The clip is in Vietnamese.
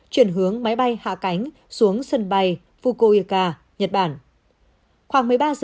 chuyển hướng máy bay hạ cánh xuống sân bay fukoyca nhật bản